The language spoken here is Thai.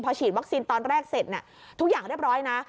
ฉีดวัคซีนตอนแรกเสร็จทุกอย่างเรียบร้อยนะ